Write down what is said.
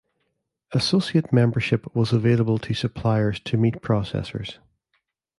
Associate membership was available to suppliers to meat processors.